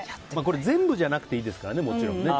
全部じゃなくていいですからねもちろん。